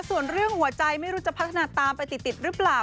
ส่วนเรื่องหัวใจไม่รู้จะพัฒนาตามไปติดหรือเปล่า